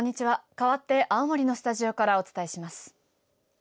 かわって青森のスタジオからお伝えします。